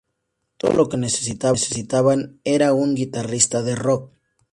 Todo lo que necesitaban era un "guitarrista de rock".